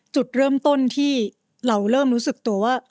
จุดเริ่มต้นที่เราเริ่มรู้สึกตัวว่า